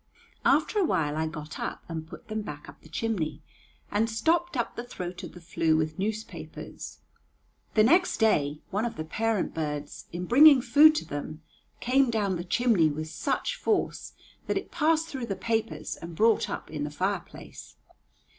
After a while I got up and put them back up the chimney, and stopped up the throat of the flue with newspapers. The next day one of the parent birds, in bringing food to them, came down the chimney with such force that it passed through the papers and brought up in the fireplace.